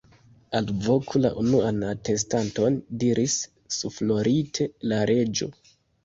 "Alvoku la unuan atestanton," diris suflorite la Reĝo.